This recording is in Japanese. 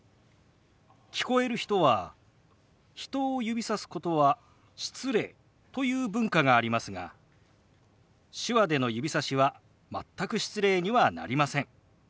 聞こえる人は「人を指さすことは失礼」という文化がありますが手話での指さしは全く失礼にはなりません。